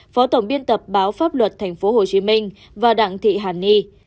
phó tổng biên tập báo pháp luật tp hcm và đặng thị hàn ni